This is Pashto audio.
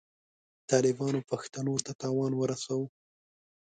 طالبانو پښتنو ته تاوان ورساوه.